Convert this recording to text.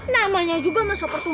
namanya juga masalah pertumbuhan